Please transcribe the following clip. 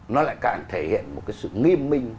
nó lại càng thể hiện một cái sự nghiêm minh